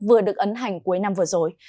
vừa được ấn hành cuối năm vừa rồi